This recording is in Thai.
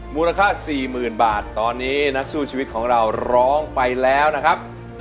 มูลค่า๔๐๐๐บาทตอนนี้นักสู้ชีวิตของเราร้องไปแล้วนะครับ